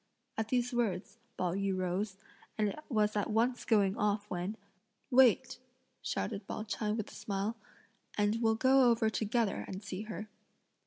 At these words, Pao yü rose, and was at once going off when "Wait," shouted Pao ch'ai with a smile, "and we'll go over together and see her."